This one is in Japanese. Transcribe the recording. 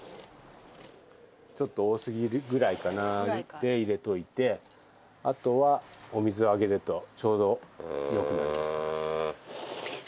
ちょっと多すぎるぐらいかなで入れといてあとはお水をあげるとちょうどよくなりますから。